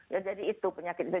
ya jadi itu penyakit